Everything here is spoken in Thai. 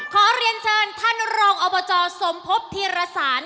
ขอเรียนเชิญท่านรองอบจสมภพธีรสาร